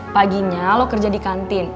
paginya lo kerja di kantin